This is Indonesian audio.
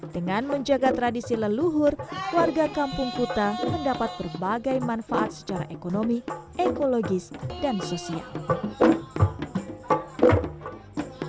dengan menjaga tradisi leluhur warga kampung kuta mendapat berbagai manfaat secara ekonomi ekologis dan sosial